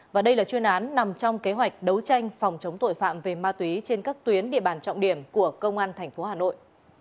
và đây là chuyên án nằm trong kế hoạch đấu tranh phòng chống tội phạm về ma túy trên các tuyến địa bàn trọng điểm của công an tp hà nội